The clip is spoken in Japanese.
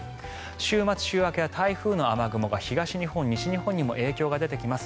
週末、週明けは台風の雨雲が東日本、西日本にも影響が出てきます。